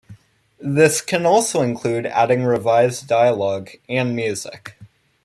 This can also include adding revised dialog and music.